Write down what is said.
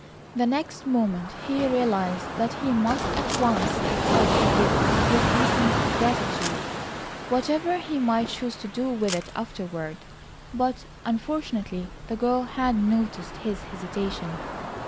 The next moment he realised that he must at once accept the gift with decent gratitude, whatever he might choose to do with it afterward, but unfortunately the girl had noticed his hesitation.